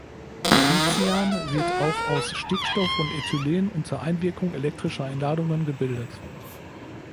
Dicyan wird auch aus Stickstoff und Ethylen unter Einwirkung elektrischer Entladungen gebildet.